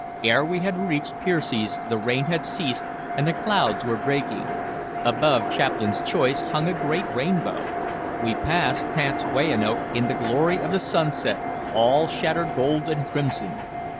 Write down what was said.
Ere we had reached Piersey's the rain had ceased and the clouds were breaking; above Chaplain's Choice hung a great rainbow; we passed Tants Weyanoke in the glory of the sunset, all shattered gold and crimson.